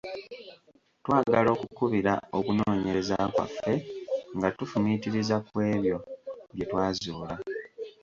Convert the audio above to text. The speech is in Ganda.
Twagala okukubira okunooyereza kwaffe nga tufumiitiriza kwebyo bye twazuula.